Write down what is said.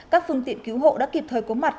các phương tiện cứu hộ đã kịp thời có mặt